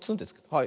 はい。